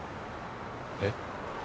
えっ？